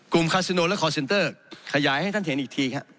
คาซิโนและคอร์เซ็นเตอร์ขยายให้ท่านเห็นอีกทีครับ